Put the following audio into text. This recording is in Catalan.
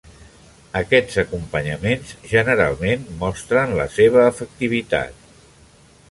Aquests acompanyaments generalment mostren la seva efectivitat.